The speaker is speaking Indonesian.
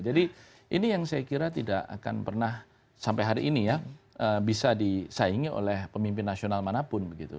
jadi ini yang saya kira tidak akan pernah sampai hari ini ya bisa disaingi oleh pemimpin nasional manapun begitu